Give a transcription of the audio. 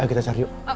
ayo kita cari yuk